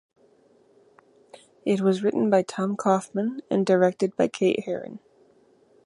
It was written by Tom Kauffman and directed by Kate Herron.